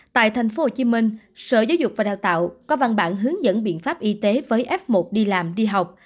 tại tp hcm sở giáo dục và đào tạo có văn bản hướng dẫn biện pháp y tế với f một đi làm đi học